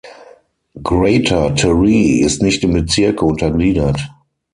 Greater Taree ist nicht in Bezirke untergliedert.